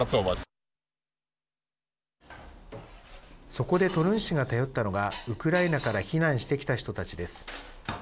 そこで、トルン市が頼ったのがウクライナから避難してきた人たちです。